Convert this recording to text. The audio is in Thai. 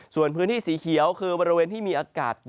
ส่วนพื้นที่สีเขียวคือบริเวณที่มีอากาศ